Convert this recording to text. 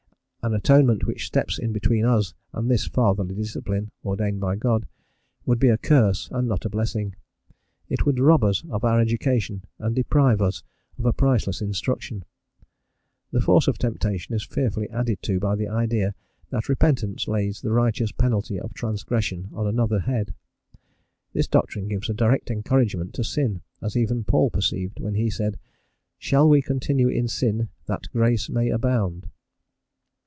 An atonement which steps in between us and this fatherly discipline ordained by God, would be a curse and not a blessing; it would rob us of our education and deprive us of a priceless instruction. The force of temptation is fearfully added to by the idea that repentance lays the righteous penalty of transgression on another head; this doctrine gives a direct encouragement to sin, as even Paul perceived when he said, "shall we continue in sin that grace may abound?"